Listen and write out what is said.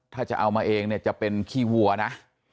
ถ้าจะเอามาเองเนี่ยจะเป็นขี้วัวนะ